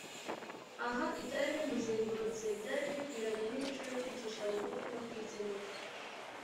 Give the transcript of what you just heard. Aha ibyari bimuzengurutse byari bikwiranye n’imico yo kwicisha bugufi no kwizinukwa.